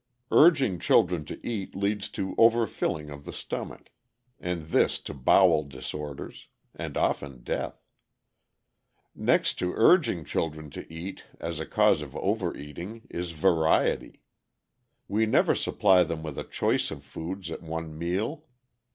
Urging children to eat leads to overfilling of the stomach, and this to bowel disorders, and often death. Next to urging children to eat, as a cause of overeating, is variety. We never supply them with a choice of foods at one meal.